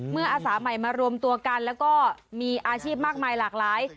อาสาใหม่มารวมตัวกันแล้วก็มีอาชีพมากมายหลากหลาย